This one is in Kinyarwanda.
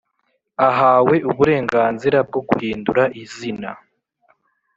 Ahawe uburenganzira bwo guhindura izina